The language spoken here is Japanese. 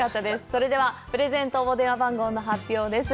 それではプレゼント応募電話番号の発表です。